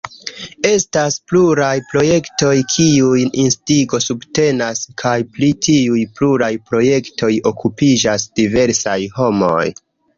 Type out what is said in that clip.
Estas pluraj projektoj, kiujn Instigo subtenas, kaj pri tiuj pluraj projektoj okupiĝas diversaj homoj.